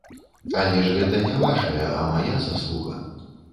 Але ж гэта не вашая, а мая заслуга.